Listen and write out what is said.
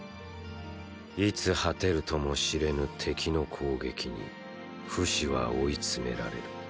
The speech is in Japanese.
いつ果てるとも知れぬ敵の攻撃にフシは追い詰められる。